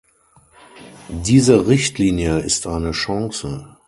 Diese Richtlinie ist eine Chance.